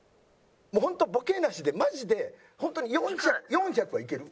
もうホントボケなしでマジでホントに４００はいける？